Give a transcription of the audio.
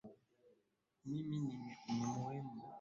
Mimi ni mrembo